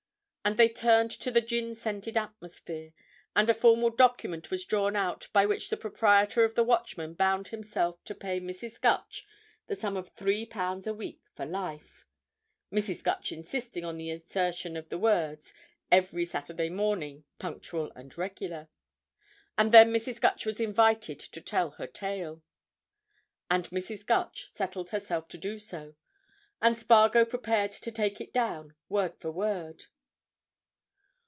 So they returned to the gin scented atmosphere, and a formal document was drawn out by which the proprietor of the Watchman bound himself to pay Mrs. Gutch the sum of three pounds a week for life (Mrs. Gutch insisting on the insertion of the words "every Saturday morning, punctual and regular") and then Mrs. Gutch was invited to tell her tale. And Mrs. Gutch settled herself to do so, and Spargo prepared to take it down, word for word.